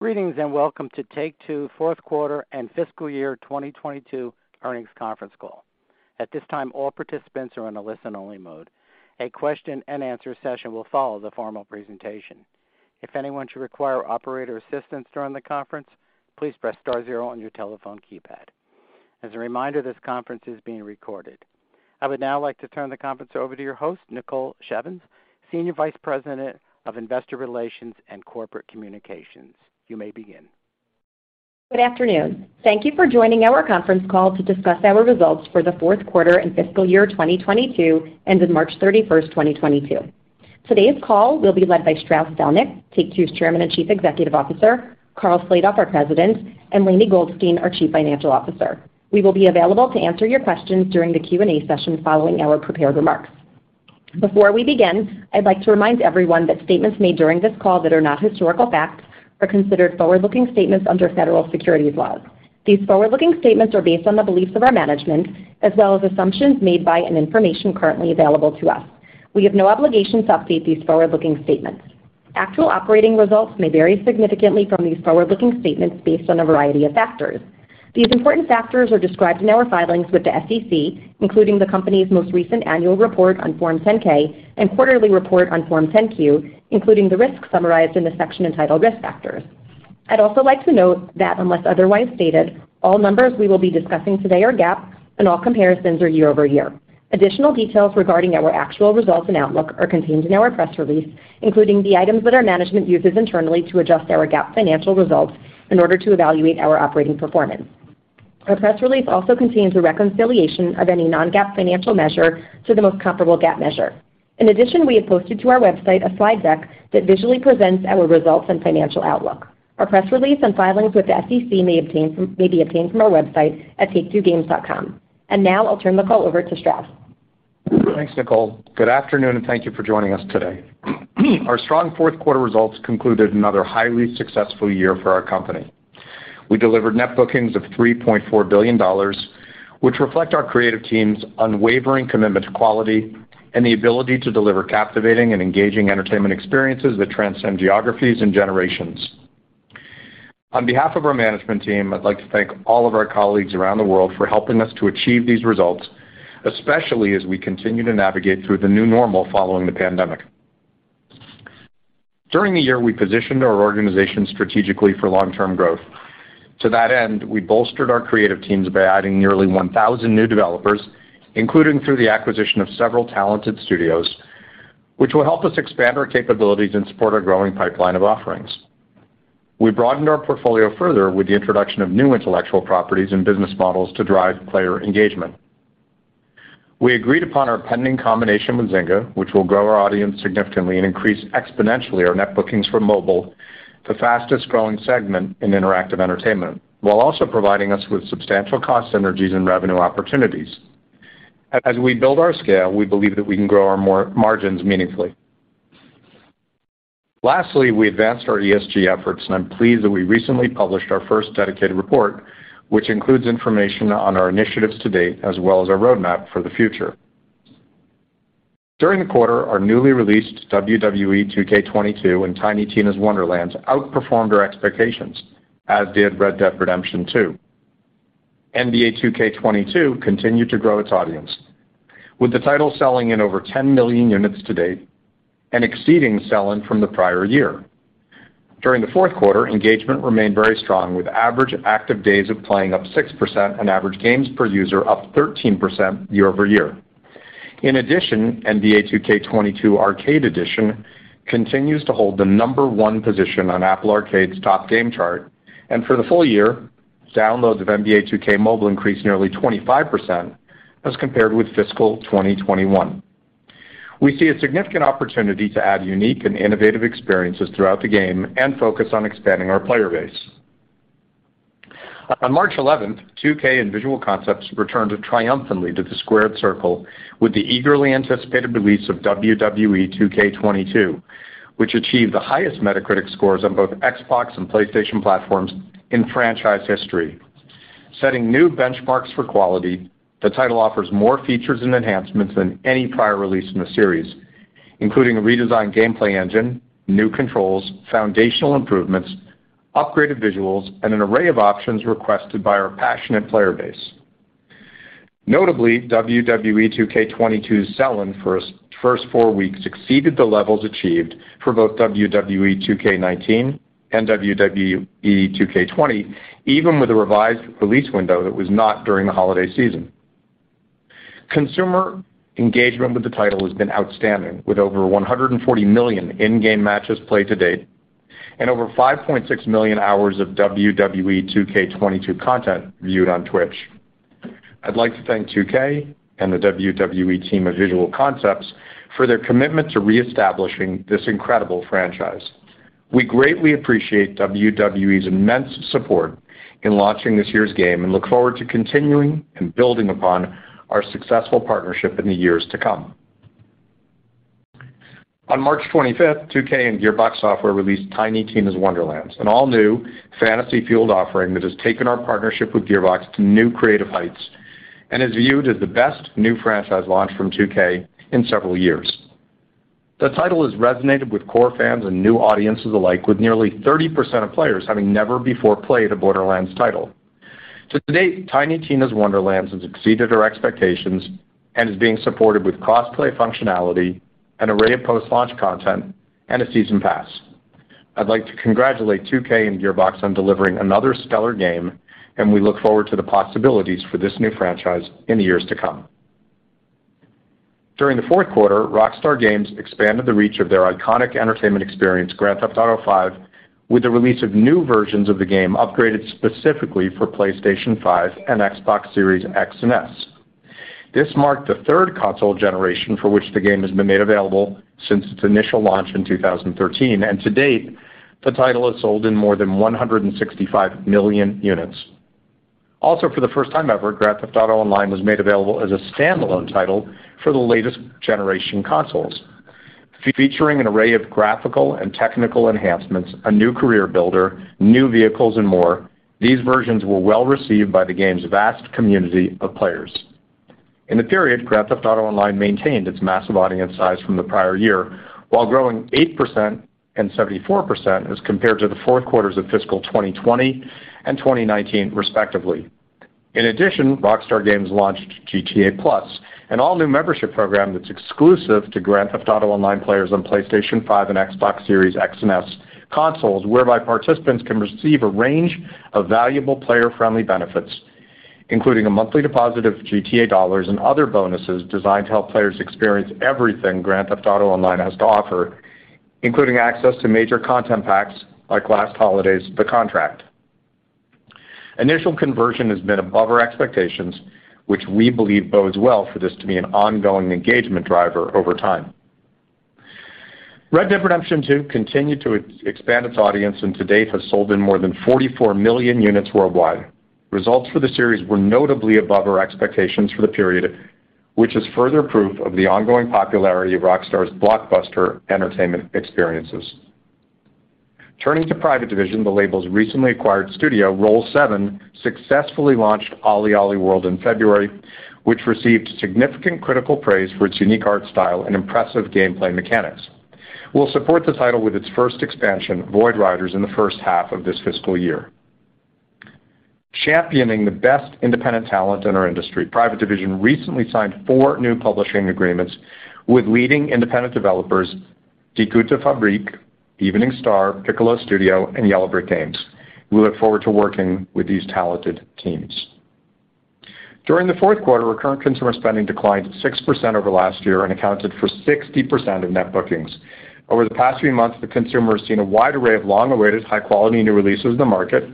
Greetings, welcome to Take-Two Fourth Quarter and Fiscal Year 2022 Earnings Conference Call. At this time, all participants are in a listen-only mode. A question and answer session will follow the formal presentation. If anyone should require operator assistance during the conference, please press star zero on your telephone keypad. As a reminder, this conference is being recorded. I would now like to turn the conference over to your host, Nicole Shevins, Senior Vice President of Investor Relations and Corporate Communications. You may begin. Good afternoon. Thank you for joining our conference call to discuss our results for the fourth quarter and fiscal year 2022 ended March 31, 2022. Today's call will be led by Strauss Zelnick, Take-Two's Chairman and Chief Executive Officer, Karl Slatoff, our President, and Lainie Goldstein, our Chief Financial Officer. We will be available to answer your questions during the Q&A session following our prepared remarks. Before we begin, I'd like to remind everyone that statements made during this call that are not historical facts are considered forward-looking statements under federal securities laws. These forward-looking statements are based on the beliefs of our management as well as assumptions made by and information currently available to us. We have no obligation to update these forward-looking statements. Actual operating results may vary significantly from these forward-looking statements based on a variety of factors. These important factors are described in our filings with the SEC, including the company's most recent annual report on Form 10-K and quarterly report on Form 10-Q, including the risks summarized in the section entitled Risk Factors. I'd also like to note that unless otherwise stated, all numbers we will be discussing today are GAAP and all comparisons are year-over-year. Additional details regarding our actual results and outlook are contained in our press release, including the items that our management uses internally to adjust our GAAP financial results in order to evaluate our operating performance. Our press release also contains a reconciliation of any non-GAAP financial measure to the most comparable GAAP measure. In addition, we have posted to our website a slide deck that visually presents our results and financial outlook. Our press release and filings with the SEC may be obtained from our website at taketwogames.com. Now I'll turn the call over to Strauss. Thanks, Nicole. Good afternoon, and thank you for joining us today. Our strong fourth quarter results concluded another highly successful year for our company. We delivered net bookings of $3.4 billion, which reflect our creative team's unwavering commitment to quality and the ability to deliver captivating and engaging entertainment experiences that transcend geographies and generations. On behalf of our management team, I'd like to thank all of our colleagues around the world for helping us to achieve these results, especially as we continue to navigate through the new normal following the pandemic. During the year, we positioned our organization strategically for long-term growth. To that end, we bolstered our creative teams by adding nearly 1,000 new developers, including through the acquisition of several talented studios, which will help us expand our capabilities and support our growing pipeline of offerings. We broadened our portfolio further with the introduction of new intellectual properties and business models to drive player engagement. We agreed upon our pending combination with Zynga, which will grow our audience significantly and increase exponentially our net bookings for mobile, the fastest growing segment in interactive entertainment, while also providing us with substantial cost synergies and revenue opportunities. As we build our scale, we believe that we can grow our margins meaningfully. Lastly, we advanced our ESG efforts, and I'm pleased that we recently published our first dedicated report, which includes information on our initiatives to date as well as our roadmap for the future. During the quarter, our newly released WWE 2K22 and Tiny Tina's Wonderlands outperformed our expectations, as did Red Dead Redemption 2. NBA 2K22 continued to grow its audience, with the title selling in over 10 million units to date and exceeding sell-in from the prior year. During the fourth quarter, engagement remained very strong, with average active days of playing up 6% and average games per user up 13% year over year. In addition, NBA 2K22 Arcade Edition continues to hold the number one position on Apple Arcade's top game chart. For the full year, downloads of NBA 2K Mobile increased nearly 25% as compared with fiscal 2021. We see a significant opportunity to add unique and innovative experiences throughout the game and focus on expanding our player base. On March 11, 2K and Visual Concepts returned triumphantly to the squared circle with the eagerly anticipated release of WWE 2K22, which achieved the highest Metacritic scores on both Xbox and PlayStation platforms in franchise history. Setting new benchmarks for quality, the title offers more features and enhancements than any prior release in the series, including a redesigned gameplay engine, new controls, foundational improvements, upgraded visuals, and an array of options requested by our passionate player base. Notably, WWE 2K22's sell-in first four weeks exceeded the levels achieved for both WWE 2K19 and WWE 2K20, even with a revised release window that was not during the holiday season. Consumer engagement with the title has been outstanding, with over 140 million in-game matches played to date and over 5.6 million hours of WWE 2K22 content viewed on Twitch. I'd like to thank 2K and the WWE team of Visual Concepts for their commitment to reestablishing this incredible franchise. We greatly appreciate WWE's immense support in launching this year's game and look forward to continuing and building upon our successful partnership in the years to come. On March 25th, 2K and Gearbox Software released Tiny Tina's Wonderlands, an all-new fantasy-fueled offering that has taken our partnership with Gearbox to new creative heights and is viewed as the best new franchise launch from 2K in several years. The title has resonated with core fans and new audiences alike, with nearly 30% of players having never before played a Borderlands title. To date, Tiny Tina's Wonderlands has exceeded our expectations and is being supported with cross-play functionality, an array of post-launch content, and a season pass. I'd like to congratulate 2K and Gearbox on delivering another stellar game, and we look forward to the possibilities for this new franchise in the years to come. During the fourth quarter, Rockstar Games expanded the reach of their iconic entertainment experience, Grand Theft Auto V, with the release of new versions of the game upgraded specifically for PlayStation 5 and Xbox Series X and S. This marked the third console generation for which the game has been made available since its initial launch in 2013, and to date, the title has sold in more than 165 million units. Also, for the first time ever, Grand Theft Auto Online was made available as a standalone title for the latest generation consoles. Featuring an array of graphical and technical enhancements, a new career builder, new vehicles and more, these versions were well received by the game's vast community of players. In the period, Grand Theft Auto Online maintained its massive audience size from the prior year, while growing 8% and 74% as compared to the fourth quarters of fiscal 2020 and 2019 respectively. In addition, Rockstar Games launched GTA+, an all-new membership program that's exclusive to Grand Theft Auto Online players on PlayStation 5 and Xbox Series X and S consoles, whereby participants can receive a range of valuable player-friendly benefits, including a monthly deposit of GTA dollars and other bonuses designed to help players experience everything Grand Theft Auto Online has to offer, including access to major content packs like last holiday's The Contract. Initial conversion has been above our expectations, which we believe bodes well for this to be an ongoing engagement driver over time. Red Dead Redemption 2 continued to expand its audience, and to date has sold in more than 44 million units worldwide. Results for the series were notably above our expectations for the period, which is further proof of the ongoing popularity of Rockstar's blockbuster entertainment experiences. Turning to Private Division, the label's recently acquired studio, Roll7, successfully launched OlliOlli World in February, which received significant critical praise for its unique art style and impressive gameplay mechanics. We'll support this title with its first expansion, VOID Riders, in the first half of this fiscal year. Championing the best independent talent in our industry, Private Division recently signed four new publishing agreements with leading independent developers Die Gute Fabrik, Evening Star, Piccolo Studio and Yellow Brick Games. We look forward to working with these talented teams. During the fourth quarter, our current consumer spending declined 6% over last year and accounted for 60% of net bookings. Over the past few months, the consumer has seen a wide array of long-awaited high-quality new releases in the market,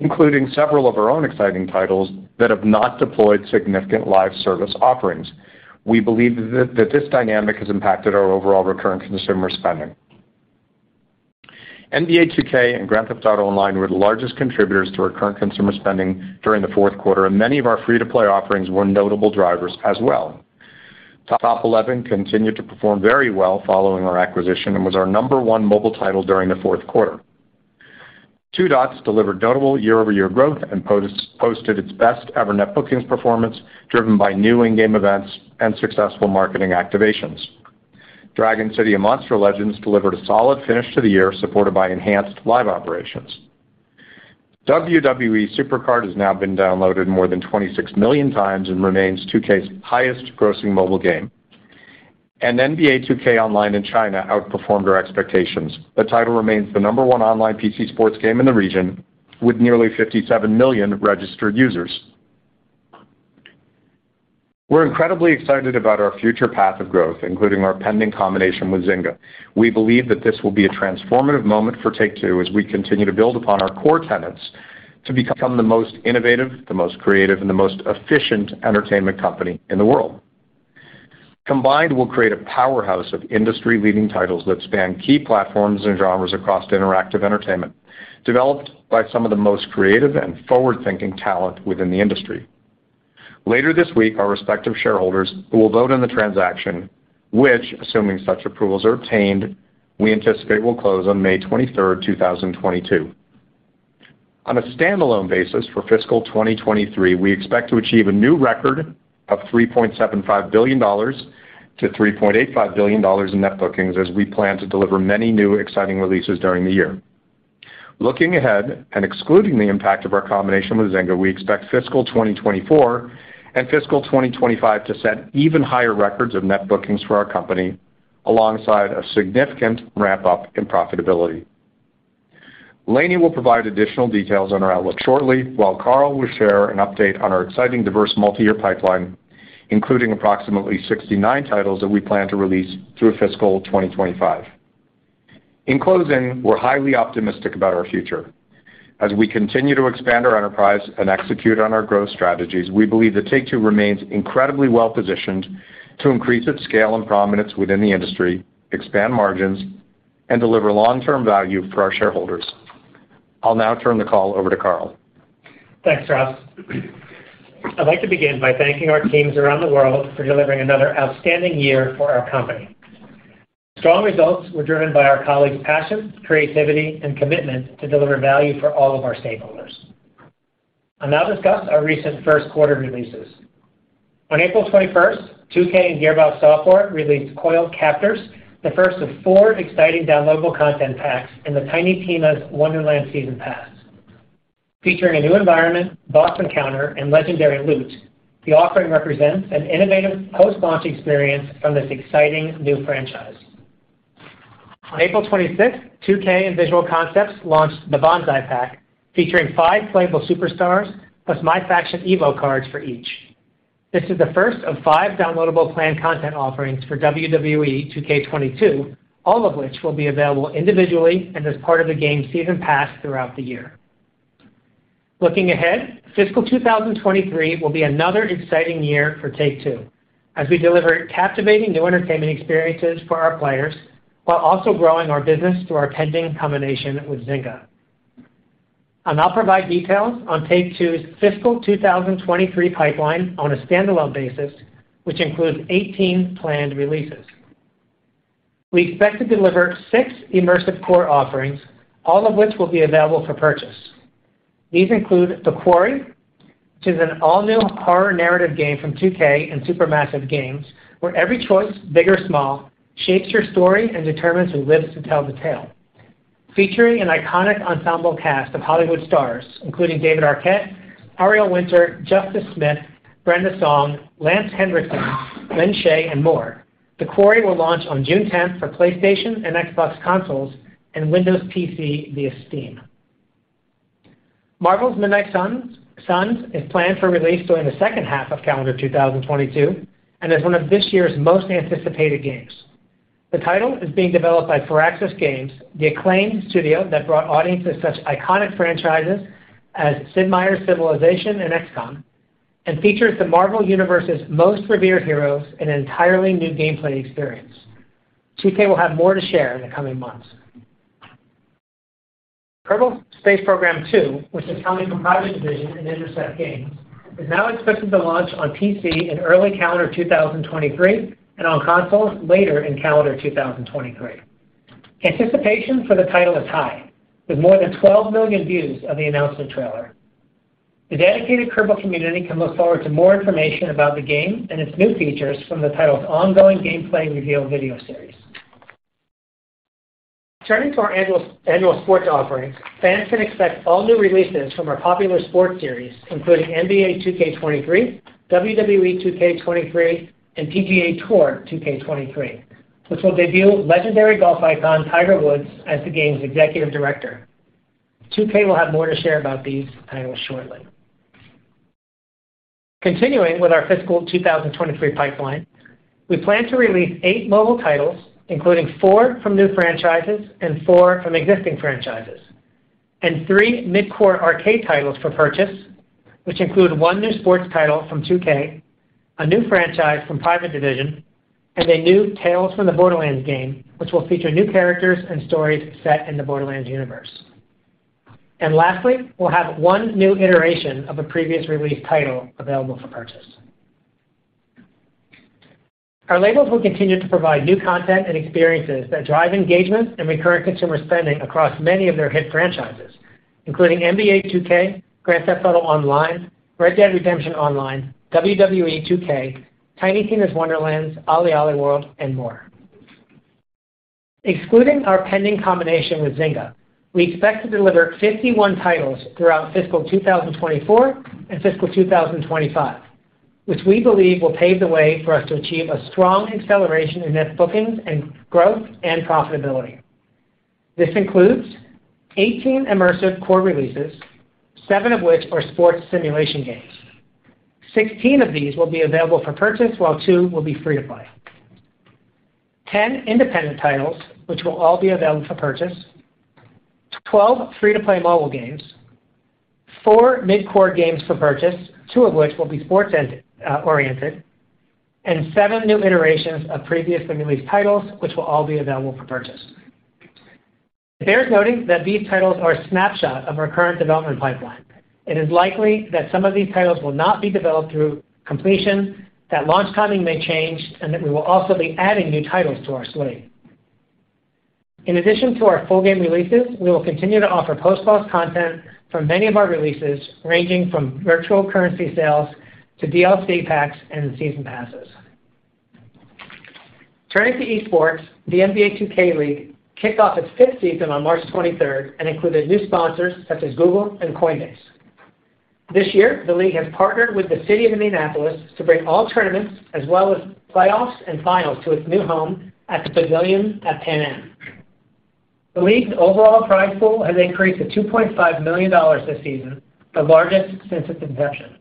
including several of our own exciting titles that have not deployed significant live service offerings. We believe that this dynamic has impacted our overall recurring consumer spending. NBA 2K and Grand Theft Auto Online were the largest contributors to our current consumer spending during the fourth quarter, and many of our free-to-play offerings were notable drivers as well. Top Eleven continued to perform very well following our acquisition and was our number one mobile title during the fourth quarter. Two Dots delivered notable year-over-year growth and posted its best-ever net bookings performance, driven by new in-game events and successful marketing activations. Dragon City and Monster Legends delivered a solid finish to the year, supported by enhanced live operations. WWE SuperCard has now been downloaded more than 26 million times and remains 2K's highest grossing mobile game. NBA 2K Online in China outperformed our expectations. The title remains the number one online PC sports game in the region, with nearly 57 million registered users. We're incredibly excited about our future path of growth, including our pending combination with Zynga. We believe that this will be a transformative moment for Take-Two as we continue to build upon our core tenets to become the most innovative, the most creative and the most efficient entertainment company in the world. Combined, we'll create a powerhouse of industry-leading titles that span key platforms and genres across interactive entertainment, developed by some of the most creative and forward-thinking talent within the industry. Later this week, our respective shareholders will vote on the transaction, which, assuming such approvals are obtained, we anticipate will close on May 23rd, 2022. On a standalone basis for fiscal 2023, we expect to achieve a new record of $3.75 billion-$3.85 billion in net bookings as we plan to deliver many new exciting releases during the year. Looking ahead and excluding the impact of our combination with Zynga, we expect fiscal 2024 and fiscal 2025 to set even higher records of net bookings for our company, alongside a significant ramp-up in profitability. Lainie will provide additional details on our outlook shortly, while Karl will share an update on our exciting, diverse multi-year pipeline, including approximately 69 titles that we plan to release through fiscal 2025. In closing, we're highly optimistic about our future. As we continue to expand our enterprise and execute on our growth strategies, we believe that Take-Two remains incredibly well positioned to increase its scale and prominence within the industry, expand margins and deliver long-term value for our shareholders. I'll now turn the call over to Karl. Thanks, Strauss. I'd like to begin by thanking our teams around the world for delivering another outstanding year for our company. Strong results were driven by our colleagues' passion, creativity and commitment to deliver value for all of our stakeholders. I'll now discuss our recent first quarter releases. On April 21, 2K and Gearbox Software released Coiled Captors, the first of four exciting downloadable content packs in the Tiny Tina's Wonderlands season pass. Featuring a new environment, boss encounter, and legendary loot, the offering represents an innovative post-launch experience from this exciting new franchise. On April 26, 2K and Visual Concepts launched the Banzai Pack, featuring five playable superstars, plus MyFACTION EVO cards for each. This is the first of five downloadable planned content offerings for WWE 2K22, all of which will be available individually and as part of the game's season pass throughout the year. Looking ahead, fiscal 2023 will be another exciting year for Take-Two as we deliver captivating new entertainment experiences for our players while also growing our business through our pending combination with Zynga. I'll now provide details on Take-Two's fiscal 2023 pipeline on a standalone basis, which includes 18 planned releases. We expect to deliver six immersive core offerings, all of which will be available for purchase. These include The Quarry, which is an all-new horror narrative game from 2K and Supermassive Games, where every choice, big or small, shapes your story and determines who lives to tell the tale. Featuring an iconic ensemble cast of Hollywood stars, including David Arquette, Ariel Winter, Justice Smith, Brenda Song, Lance Henriksen, Lin Shaye, and more, The Quarry will launch on June 10 for PlayStation and Xbox consoles and Windows PC via Steam. Marvel's Midnight Suns is planned for release during the second half of calendar 2022 and is one of this year's most anticipated games. The title is being developed by Firaxis Games, the acclaimed studio that brought audiences such iconic franchises as Sid Meier's Civilization and XCOM, and features the Marvel Universe's most revered heroes in an entirely new gameplay experience. 2K will have more to share in the coming months. Kerbal Space Program 2, which is coming from Private Division and Intercept Games, is now expected to launch on PC in early calendar 2023 and on consoles later in calendar 2023. Anticipation for the title is high, with more than 12 million views of the announcement trailer. The dedicated Kerbal community can look forward to more information about the game and its new features from the title's ongoing gameplay reveal video series. Turning to our annual sports offerings, fans can expect all new releases from our popular sports series, including NBA 2K23, WWE 2K23, and PGA TOUR 2K23, which will debut legendary golf icon Tiger Woods as the game's executive director. 2K will have more to share about these titles shortly. Continuing with our fiscal 2023 pipeline, we plan to release eight mobile titles, including four from new franchises and four from existing franchises, and three mid-core arcade titles for purchase, which include one new sports title from 2K, a new franchise from Private Division, and a new Tales from the Borderlands game, which will feature new characters and stories set in the Borderlands universe. Lastly, we'll have one new iteration of a previous released title available for purchase. Our labels will continue to provide new content and experiences that drive engagement and recurrent consumer spending across many of their hit franchises, including NBA 2K, Grand Theft Auto Online, Red Dead Redemption Online, WWE 2K, Tiny Tina's Wonderlands, OlliOlli World, and more. Excluding our pending combination with Zynga, we expect to deliver 51 titles throughout fiscal 2024 and fiscal 2025, which we believe will pave the way for us to achieve a strong acceleration in net bookings and growth and profitability. This includes 18 immersive core releases, seven of which are sports simulation games. 16 of these will be available for purchase, while two will be free to play. 10 independent titles which will all be available for purchase. 12 free to play mobile games. Four mid-core games for purchase, two of which will be sports-oriented. Seven new iterations of previously released titles, which will all be available for purchase. It bears noting that these titles are a snapshot of our current development pipeline. It is likely that some of these titles will not be developed through completion, that launch timing may change, and that we will also be adding new titles to our slate. In addition to our full game releases, we will continue to offer post-launch content for many of our releases, ranging from virtual currency sales to DLC packs and season passes. Turning to esports, the NBA 2K League kicked off its fifth season on March 23rd and included new sponsors such as Google and Coinbase. This year, the league has partnered with the City of Indianapolis to bring all tournaments as well as playoffs and finals to its new home at the Pavilion at Pan Am. The league's overall prize pool has increased to $2.5 million this season, the largest since its inception.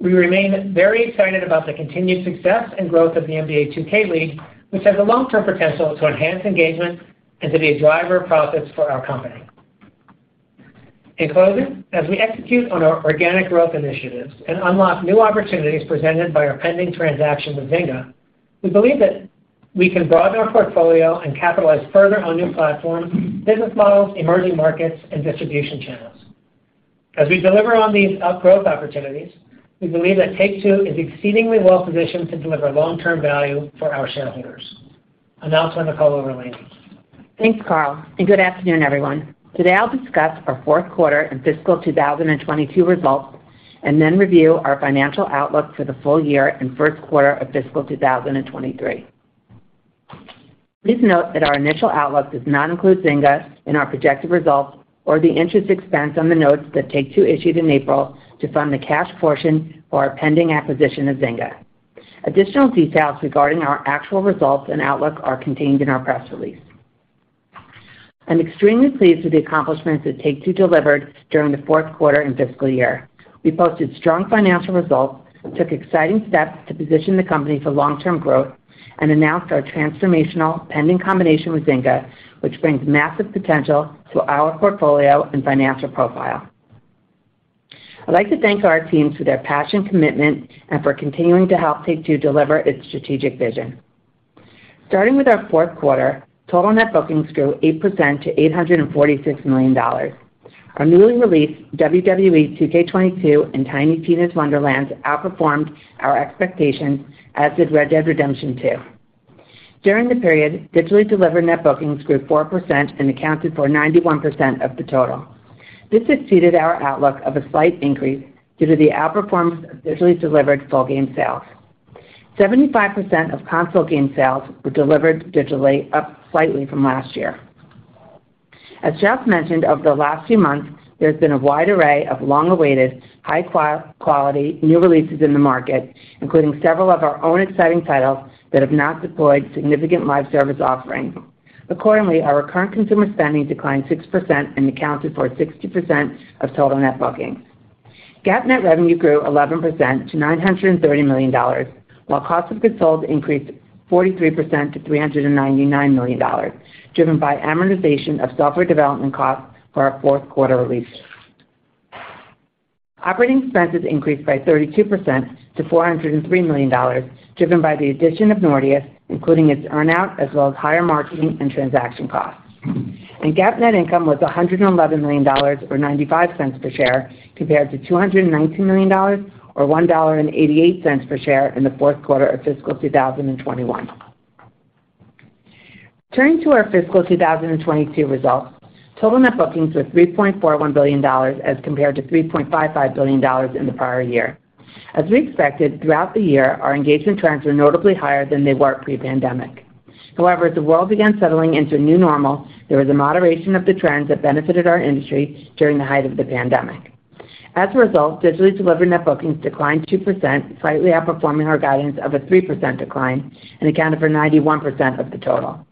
We remain very excited about the continued success and growth of the NBA 2K League, which has a long-term potential to enhance engagement and to be a driver of profits for our company. In closing, as we execute on our organic growth initiatives and unlock new opportunities presented by our pending transaction with Zynga, we believe that we can broaden our portfolio and capitalize further on new platforms, business models, emerging markets, and distribution channels. As we deliver on these outgrowth opportunities, we believe that Take-Two is exceedingly well-positioned to deliver long-term value for our shareholders. Now it's time to call over Lainie. Thanks, Karl, and good afternoon, everyone. Today I'll discuss our fourth quarter and fiscal 2022 results, and then review our financial outlook for the full year and first quarter of fiscal 2023. Please note that our initial outlook does not include Zynga in our projected results or the interest expense on the notes that Take-Two issued in April to fund the cash portion for our pending acquisition of Zynga. Additional details regarding our actual results and outlook are contained in our press release. I'm extremely pleased with the accomplishments that Take-Two delivered during the fourth quarter and fiscal year. We posted strong financial results, took exciting steps to position the company for long-term growth, and announced our transformational pending combination with Zynga, which brings massive potential to our portfolio and financial profile. I'd like to thank our teams for their passion, commitment, and for continuing to help Take-Two deliver its strategic vision. Starting with our fourth quarter, total net bookings grew 8% to $846 million. Our newly released WWE 2K22 and Tiny Tina's Wonderlands outperformed our expectations, as did Red Dead Redemption 2. During the period, digitally delivered net bookings grew 4% and accounted for 91% of the total. This exceeded our outlook of a slight increase due to the outperformance of digitally delivered full game sales. 75% of console game sales were delivered digitally, up slightly from last year. As Jeff mentioned, over the last few months, there's been a wide array of long-awaited, high-quality new releases in the market, including several of our own exciting titles that have not deployed significant live service offerings. Accordingly, our current consumer spending declined 6% and accounted for 60% of total net bookings. GAAP net revenue grew 11% to $930 million, while cost of goods sold increased 43% to $399 million driven by amortization of software development costs for our fourth quarter release. Operating expenses increased by 32% to $403 million, driven by the addition of Nordeus, including its earn-out, as well as higher marketing and transaction costs. GAAP net income was $111 million or $0.95 per share compared to $219 million or $1.88 per share in the fourth quarter of fiscal 2021. Turning to our fiscal 2022 results, total net bookings were $3.41 billion as compared to $3.55 billion in the prior year. As we expected throughout the year, our engagement trends were notably higher than they were pre-pandemic. However, as the world began settling into a new normal, there was a moderation of the trends that benefited our industry during the height of the pandemic. As a result, digitally delivered net bookings declined 2%, slightly outperforming our guidance of a 3% decline and accounted for 91% of the total.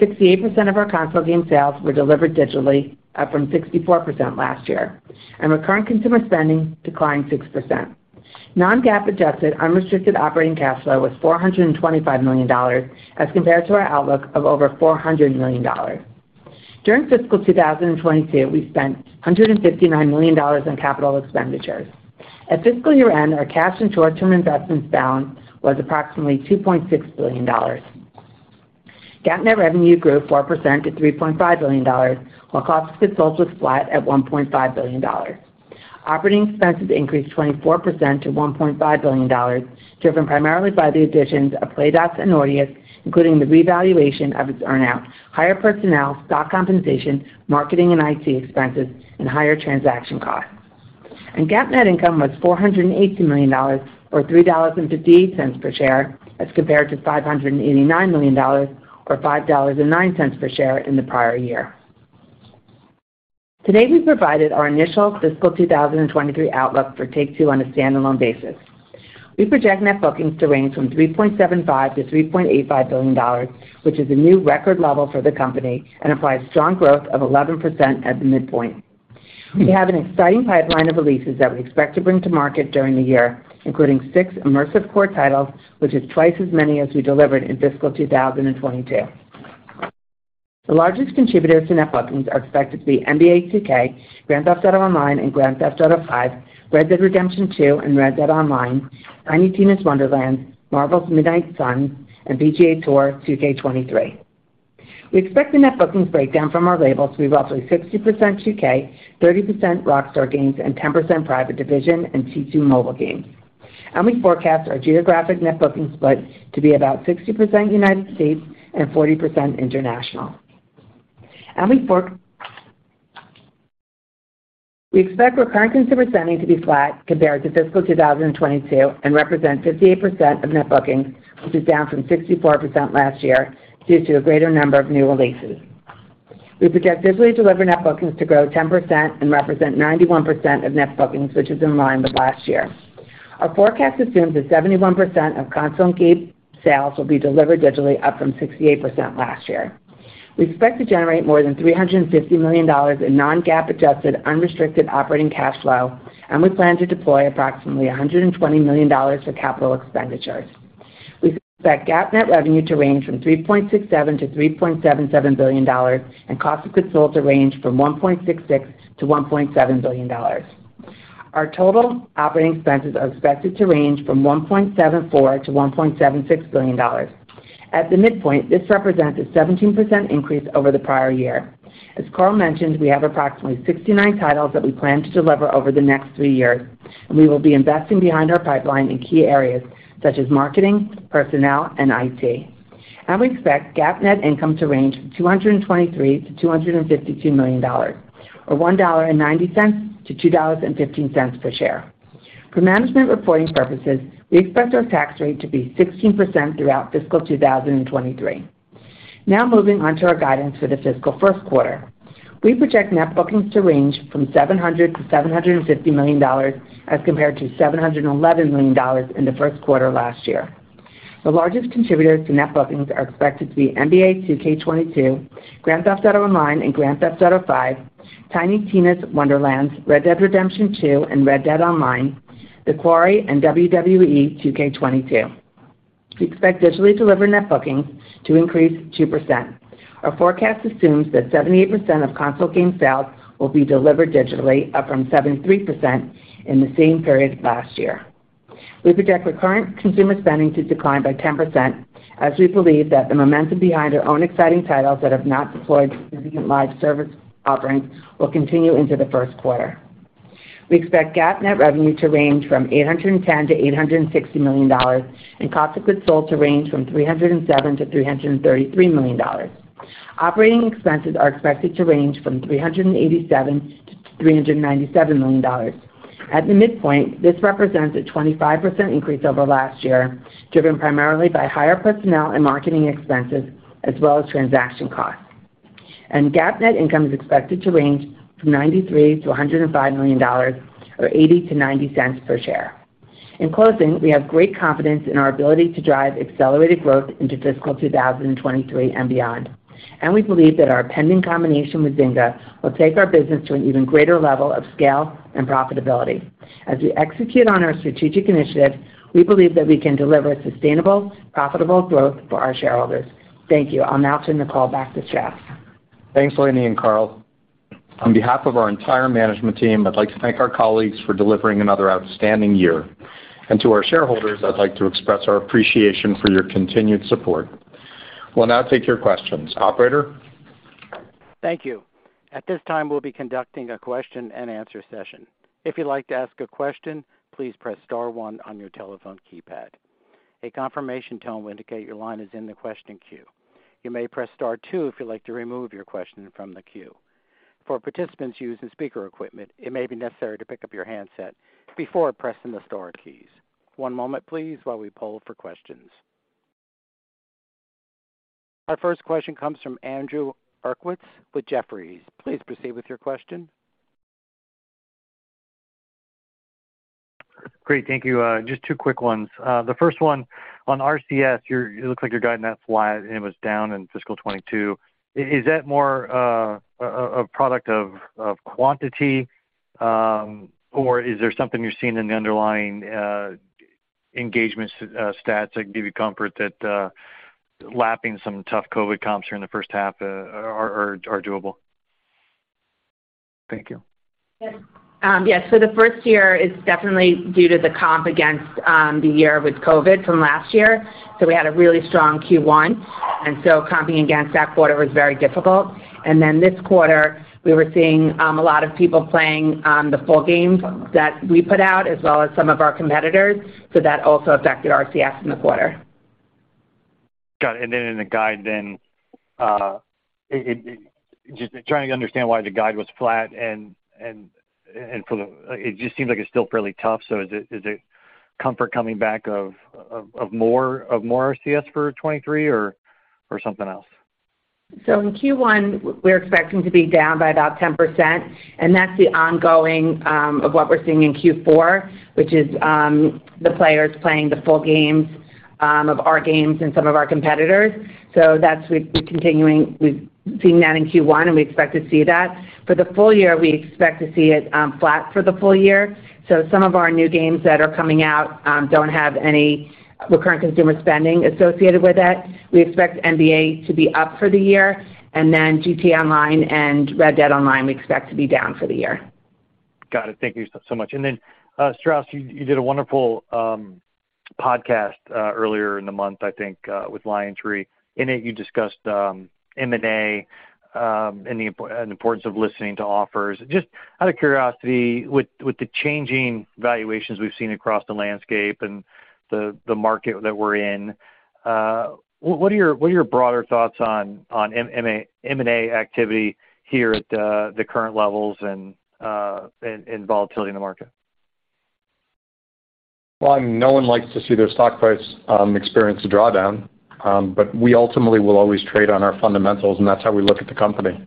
68% of our console game sales were delivered digitally, up from 64% last year. Recurrent consumer spending declined 6%. Non-GAAP adjusted unrestricted operating cash flow was $425 million as compared to our outlook of over $400 million. During fiscal 2022, we spent $159 million on capital expenditures. At fiscal year-end, our cash and short-term investments balance was approximately $2.6 billion. GAAP net revenue grew 4% to $3.5 billion, while cost of goods sold was flat at $1.5 billion. Operating expenses increased 24% to $1.5 billion, driven primarily by the additions of PlayDots and Nordeus, including the revaluation of its earn-out, higher personnel, stock compensation, marketing and IT expenses, and higher transaction costs. GAAP net income was $480 million or $3.58 per share as compared to $589 million or $5.09 per share in the prior year. Today, we provided our initial fiscal 2023 outlook for Take-Two on a standalone basis. We project net bookings to range from $3.75 billion-$3.85 billion, which is a new record level for the company and implies strong growth of 11% at the midpoint. We have an exciting pipeline of releases that we expect to bring to market during the year, including six immersive core titles, which is twice as many as we delivered in fiscal 2022. The largest contributors to net bookings are expected to be NBA 2K, Grand Theft Auto Online, and Grand Theft Auto V, Red Dead Redemption 2, and Red Dead Online, Tiny Tina's Wonderlands, Marvel's Midnight Suns, and PGA TOUR 2K23. We expect the net bookings breakdown from our labels to be roughly 60% 2K, 30% Rockstar Games, and 10% Private Division and T2 Mobile Games. We forecast our geographic net bookings split to be about 60% United States and 40% international. We expect recurrent consumer spending to be flat compared to fiscal 2022 and represent 58% of net bookings, which is down from 64% last year due to a greater number of new releases. We project digitally delivered net bookings to grow 10% and represent 91% of net bookings, which is in line with last year. Our forecast assumes that 71% of console and PC sales will be delivered digitally, up from 68% last year. We expect to generate more than $350 million in non-GAAP adjusted unrestricted operating cash flow, and we plan to deploy approximately $120 million for capital expenditures. We expect GAAP net revenue to range from $3.67 billion-$3.77 billion and cost of goods sold to range from $1.66 billion-$1.70 billion. Our total operating expenses are expected to range from $1.74 billion-$1.76 billion. At the midpoint, this represents a 17% increase over the prior year. As Karl mentioned, we have approximately 69 titles that we plan to deliver over the next three years. We will be investing behind our pipeline in key areas such as marketing, personnel, and IT. We expect GAAP net income to range from $223 million-$252 million, or $1.90-$2.15 per share. For management reporting purposes, we expect our tax rate to be 16% throughout fiscal 2023. Now moving on to our guidance for the fiscal first quarter. We project net bookings to range from $700 million-$750 million as compared to $711 million in the first quarter last year. The largest contributors to net bookings are expected to be NBA 2K22, Grand Theft Auto Online, and Grand Theft Auto V, Tiny Tina's Wonderlands, Red Dead Redemption 2, and Red Dead Online, The Quarry, and WWE 2K22. We expect digitally delivered net bookings to increase 2%. Our forecast assumes that 78% of console game sales will be delivered digitally, up from 73% in the same period last year. We project recurrent consumer spending to decline by 10% as we believe that the momentum behind our own exciting titles that have not deployed significant live service offerings will continue into the first quarter. We expect GAAP net revenue to range from $810 million-$860 million and cost of goods sold to range from $307 million-$333 million. Operating expenses are expected to range from $387 million-$397 million. At the midpoint, this represents a 25% increase over last year, driven primarily by higher personnel and marketing expenses as well as transaction costs. GAAP net income is expected to range from $93 million-$105 million or $0.80-$0.90 cents per share. In closing, we have great confidence in our ability to drive accelerated growth into fiscal 2023 and beyond. We believe that our pending combination with Zynga will take our business to an even greater level of scale and profitability. As we execute on our strategic initiatives, we believe that we can deliver sustainable, profitable growth for our shareholders. Thank you. I'll now turn the call back to Strauss. Thanks, Lainie and Karl. On behalf of our entire management team, I'd like to thank our colleagues for delivering another outstanding year. To our shareholders, I'd like to express our appreciation for your continued support. We'll now take your questions. Operator? Thank you. At this time, we'll be conducting a question and answer session. If you'd like to ask a question, please press star one on your telephone keypad. A confirmation tone will indicate your line is in the question queue. You may press star two if you'd like to remove your question from the queue. For participants using speaker equipment, it may be necessary to pick up your handset before pressing the star keys. One moment, please, while we poll for questions. Our first question comes from Andrew Uerkwitz with Jefferies. Please proceed with your question. Great. Thank you. Just two quick ones. The first one, on RCS, it looks like you're guiding that flat, and it was down in fiscal 2022. Is that more a product of quantity, or is there something you're seeing in the underlying engagement stats that give you comfort that lapping some tough COVID comps here in the first half are doable? Thank you. Yes. The first year is definitely due to the comp against the year with COVID from last year. We had a really strong Q1, and comping against that quarter was very difficult. This quarter, we were seeing a lot of people playing the full games that we put out as well as some of our competitors. That also affected RCS in the quarter. Got it. In the guide then, it just trying to understand why the guide was flat and it just seems like it's still fairly tough. Is it comfort coming back of more RCS for 2023 or something else? In Q1, we're expecting to be down by about 10%, and that's the ongoing of what we're seeing in Q4, which is the players playing the full games of our games and some of our competitors. That's continuing. We've seen that in Q1, and we expect to see that. For the full year, we expect to see it flat for the full year. Some of our new games that are coming out don't have any recurrent consumer spending associated with it. We expect NBA to be up for the year, and then GTA Online and Red Dead Online, we expect to be down for the year. Got it. Thank you so much. Strauss, you did a wonderful podcast earlier in the month, I think, with LionTree. In it, you discussed M&A and the importance of listening to offers. Just out of curiosity, with the changing valuations we've seen across the landscape and the market that we're in, what are your broader thoughts on M&A activity here at the current levels and volatility in the market? Well, no one likes to see their stock price experience a drawdown, but we ultimately will always trade on our fundamentals, and that's how we look at the company.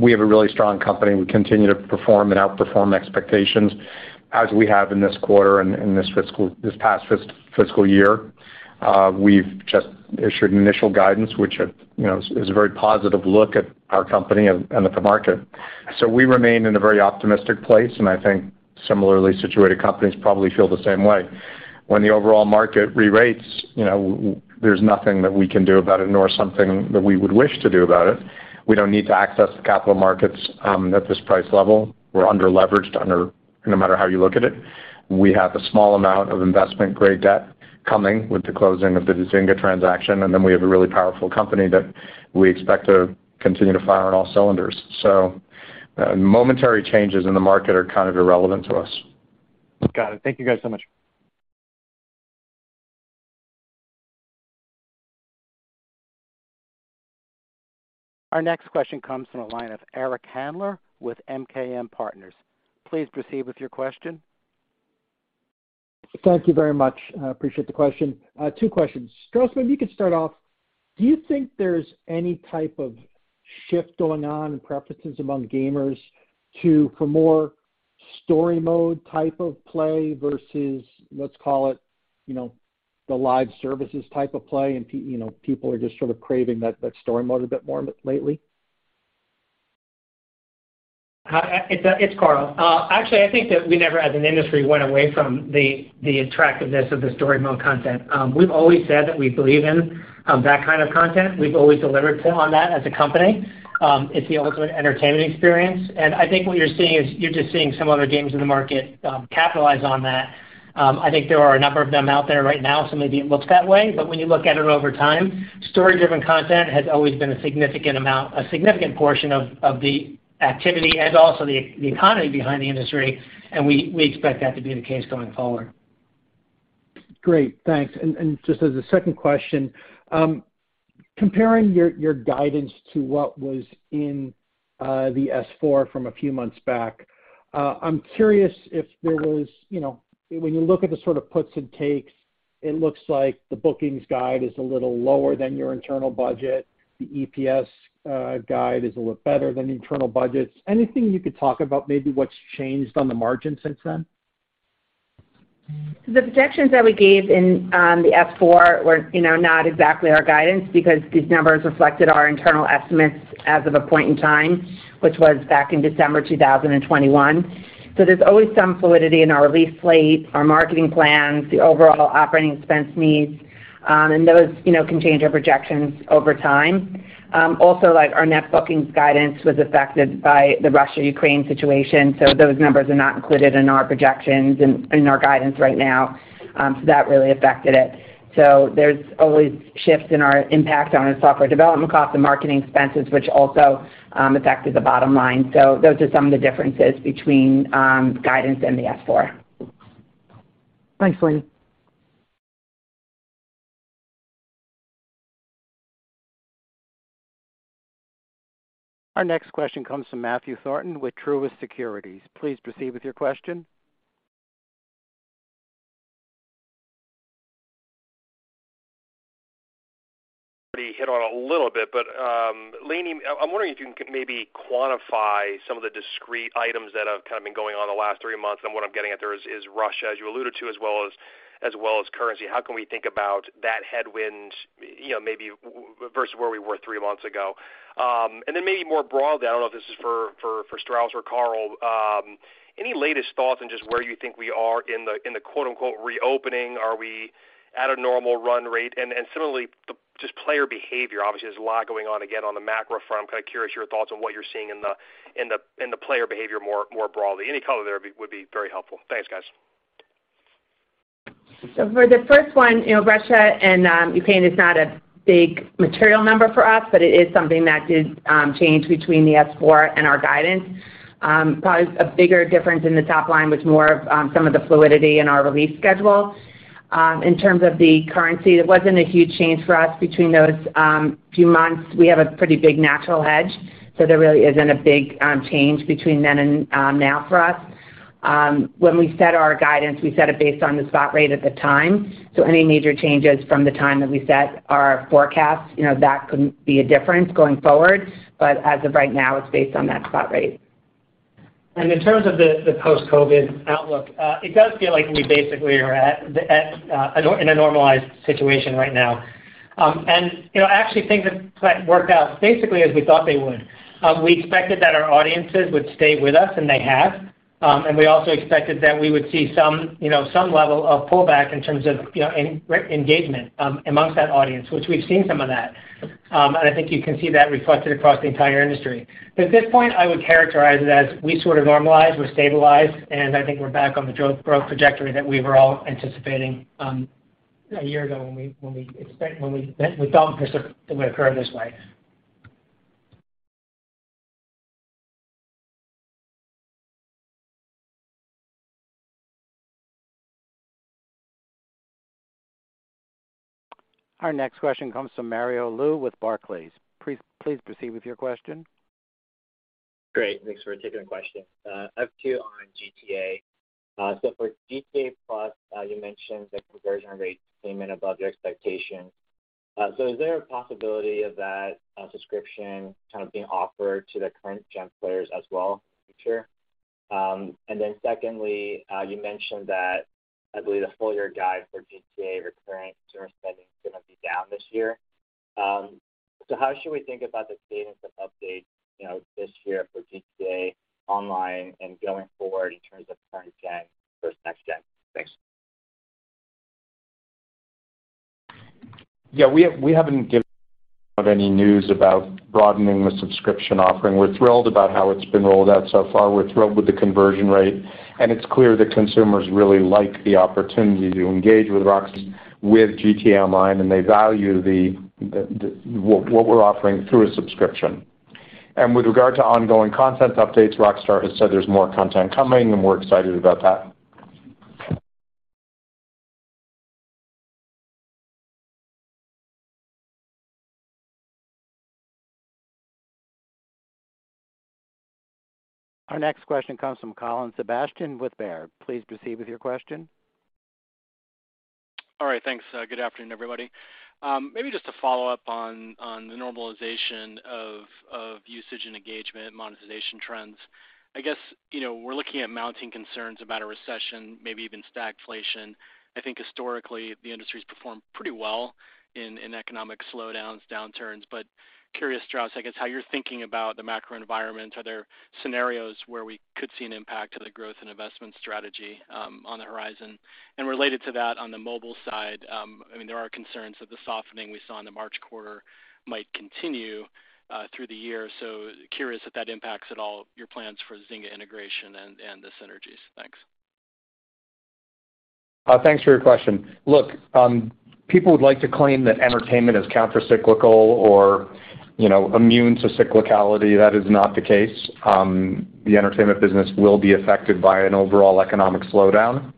We have a really strong company. We continue to perform and outperform expectations as we have in this quarter and this past fiscal year. We've just issued initial guidance, which you know is a very positive look at our company and at the market. We remain in a very optimistic place, and I think similarly situated companies probably feel the same way. When the overall market re-rates, you know there's nothing that we can do about it, nor something that we would wish to do about it. We don't need to access the capital markets at this price level. We're under-leveraged no matter how you look at it. We have a small amount of investment-grade debt coming with the closing of the Zynga transaction, and then we have a really powerful company that we expect to continue to fire on all cylinders. Momentary changes in the market are kind of irrelevant to us. Got it. Thank you guys so much. Our next question comes from the line of Eric Handler with MKM Partners. Please proceed with your question. Thank you very much. I appreciate the question. Two questions. Strauss, maybe you could start off. Do you think there's any type of shift going on in preferences among gamers towards more story mode type of play versus let's call it, you know, the live services type of play and you know, people are just sort of craving that story mode a bit more lately? Hi, it's Karl. Actually, I think that we never as an industry went away from the attractiveness of the story mode content. We've always said that we believe in that kind of content. We've always delivered on that as a company. It's the ultimate entertainment experience. I think what you're seeing is you're just seeing some other games in the market capitalize on that. I think there are a number of them out there right now, so maybe it looks that way. When you look at it over time, story-driven content has always been a significant portion of the activity and also the economy behind the industry, and we expect that to be the case going forward. Great. Thanks. Just as a second question, comparing your guidance to what was in the Form S-4 from a few months back, I'm curious if there was, you know, when you look at the sort of puts and takes, it looks like the bookings guide is a little lower than your internal budget. The EPS guide is a little better than internal budgets. Anything you could talk about maybe what's changed on the margin since then? The projections that we gave in the Form S-4 were, you know, not exactly our guidance because these numbers reflected our internal estimates as of a point in time, which was back in December 2021. There's always some fluidity in our release slate, our marketing plans, the overall operating expense needs, and those, you know, can change our projections over time. Also, like, our net bookings guidance was affected by the Russia-Ukraine situation. Those numbers are not included in our projections in our guidance right now. That really affected it. There's always shifts in our impact on our software development costs and marketing expenses, which also affected the bottom line. Those are some of the differences between guidance and the Form S-4. Thanks, Lainie. Our next question comes from Matthew Thornton with Truist Securities. Please proceed with your question. Already hit on a little bit, but Lainie, I'm wondering if you can maybe quantify some of the discrete items that have kind of been going on the last three months. What I'm getting at there is Russia, as you alluded to, as well as currency. How can we think about that headwind, you know, maybe versus where we were three months ago? Then maybe more broadly, I don't know if this is for Strauss or Karl, any latest thoughts on just where you think we are in the quote-unquote reopening? Are we at a normal run rate? Similarly, the just player behavior, obviously, there's a lot going on, again, on the macro front. I'm kind of curious your thoughts on what you're seeing in the player behavior more broadly. Any color there would be very helpful. Thanks, guys. For the first one, you know, Russia and Ukraine is not a big material number for us, but it is something that did change between the Form S-4 and our guidance. Probably a bigger difference in the top line was more of some of the fluidity in our release schedule. In terms of the currency, it wasn't a huge change for us between those few months. We have a pretty big natural hedge, so there really isn't a big change between then and now for us. When we set our guidance, we set it based on the spot rate at the time. Any major changes from the time that we set our forecast, you know, that could be a difference going forward. As of right now, it's based on that spot rate. In terms of the post-COVID outlook, it does feel like we basically are at a normalized situation right now. You know, actually things have kind of worked out basically as we thought they would. We expected that our audiences would stay with us, and they have. We also expected that we would see some, you know, some level of pullback in terms of, you know, engagement among that audience, which we've seen some of that. I think you can see that reflected across the entire industry. At this point, I would characterize it as we sort of normalized, we're stabilized, and I think we're back on the growth trajectory that we were all anticipating a year ago when we thought this would occur this way. Our next question comes from Mario Lu with Barclays. Please proceed with your question. Great. Thanks for taking the question. I have two on GTA. For GTA+, you mentioned the conversion rate came in above your expectation. Is there a possibility of that subscription kind of being offered to the current-gen players as well in the future? Then secondly, you mentioned that, I believe the full-year guide for GTA recurring consumer spending is gonna be down this year. How should we think about the cadence of updates, you know, this year for GTA Online and going forward in terms of current-gen versus next-gen? Thanks. Yeah, we haven't given any news about broadening the subscription offering. We're thrilled about how it's been rolled out so far. We're thrilled with the conversion rate, and it's clear that consumers really like the opportunity to engage with GTA Online, and they value the what we're offering through a subscription. With regard to ongoing content updates, Rockstar has said there's more content coming, and we're excited about that. Our next question comes from Colin Sebastian with Baird. Please proceed with your question. All right. Thanks. Good afternoon, everybody. Maybe just to follow up on the normalization of usage and engagement monetization trends. I guess, you know, we're looking at mounting concerns about a recession, maybe even stagflation. I think historically, the industry's performed pretty well in economic slowdowns, downturns. Curious, Strauss, I guess how you're thinking about the macro environment. Are there scenarios where we could see an impact to the growth and investment strategy on the horizon? Related to that, on the mobile side, I mean, there are concerns that the softening we saw in the March quarter might continue through the year. Curious if that impacts at all your plans for Zynga integration and the synergies. Thanks. Thanks for your question. Look, people would like to claim that entertainment is countercyclical or, you know, immune to cyclicality. That is not the case. The entertainment business will be affected by an overall economic slowdown.